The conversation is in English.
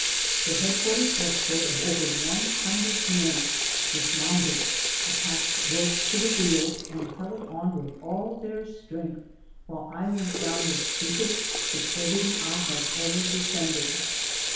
The head quarters escort of over a hundred men, dismounting, attached ropes to the wheels, and held on with all their strength while I went dowm the steepest declivity I had ever descended.